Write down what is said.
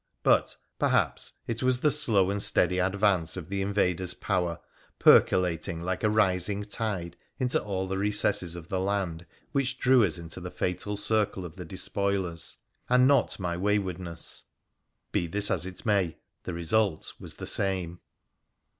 But, perhaps, it was the Blow and steady advance of the invaders' power percolating PHRA THE PHCEN1CIAN 95 like a rising tide into all the recesses of the land which drew us into the fatal circle of the despoilers, and not my wayward ness. Be this as it may, the result was the same.